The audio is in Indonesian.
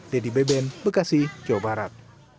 dedy beben bekasi jawa barat